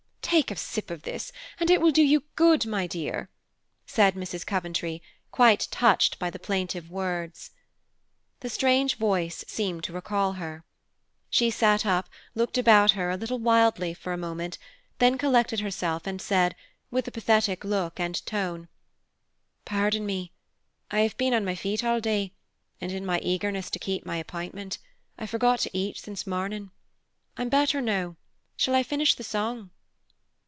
"Take a sip of this, and it will do you good, my dear," said Mrs. Coventry, quite touched by the plaintive words. The strange voice seemed to recall her. She sat up, looked about her, a little wildly, for a moment, then collected herself and said, with a pathetic look and tone, "Pardon me. I have been on my feet all day, and, in my eagerness to keep my appointment, I forgot to eat since morning. I'm better now; shall I finish the song?"